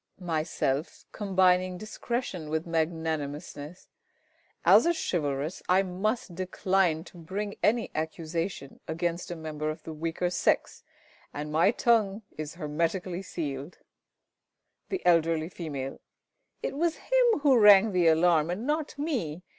Myself (combining discretion with magnanimousness). As a chivalrous, I must decline to bring any accusation against a member of the weaker sex, and my tongue is hermetically sealed. The Eld. F. It was him who rang the alarm, and not me.